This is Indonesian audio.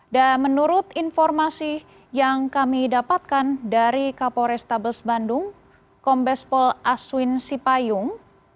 dan menurut informasi yang kami dapatkan dari kapolres tabes bandung kombespol aswin sipayung